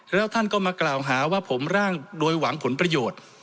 แล้วท่านก็มากล่าวหาว่าผมร่างโดยหวังผลประโยชน์